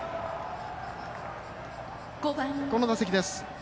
この打席です。